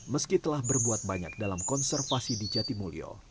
meski telah berbuat banyak dalam konservasi di jatimulyo